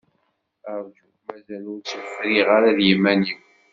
Rju, mazal ur tt-friɣ d yiman-iw.